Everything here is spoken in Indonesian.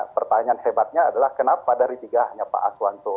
pertanyaan hebatnya adalah kenapa dari tiga hanya pak aswanto